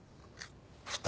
２人？